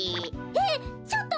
えっ！？